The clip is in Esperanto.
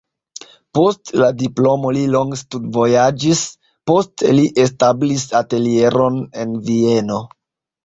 Post la diplomo li longe studvojaĝis, poste li establis atelieron en Vieno.